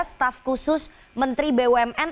staf khusus menteri bumn